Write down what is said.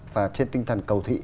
và trên tinh thần cầu thị